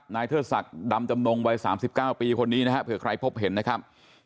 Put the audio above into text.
เทิดศักดิ์ดำจำนงวัย๓๙ปีคนนี้นะฮะเผื่อใครพบเห็นนะครับ